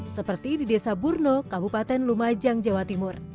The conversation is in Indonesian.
seperti di desa burno kabupaten lumajang jawa timur